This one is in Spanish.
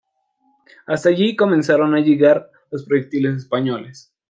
Hasta allí comenzaron a llegar los proyectiles españoles.